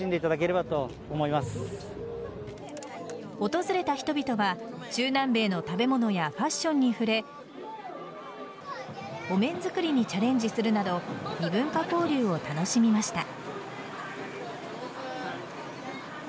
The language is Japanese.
訪れた人々は中南米の食べ物やファッションに触れお面作りにチャレンジするなど異文化交流を楽しみました。